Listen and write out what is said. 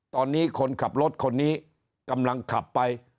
ตอนนี้คนขับรถคนนี้กำลังขับไป